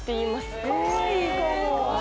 かわいい？